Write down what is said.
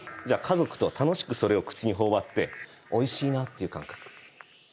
じゃあ家族と楽しくそれを口に頬張っておいしいなっていう感覚。